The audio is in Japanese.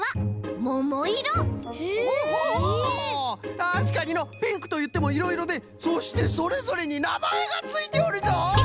たしかにのピンクといってもいろいろでそしてそれぞれになまえがついておるぞ！